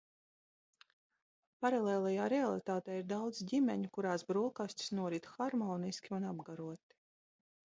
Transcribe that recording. Paralēlajā realitātē ir daudz ģimeņu, kurās brokastis norit harmoniski un apgaroti!